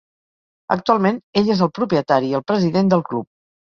Actualment ell és el propietari i el president del club.